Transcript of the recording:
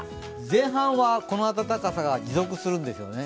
前半はこの暖かさが持続するんですよね